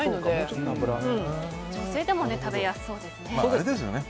女性でも食べやすそうですよね。